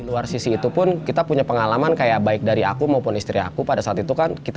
luar sisi itu pun kita punya pengalaman kayak baik dari aku maupun istri aku pada saat itu kan kita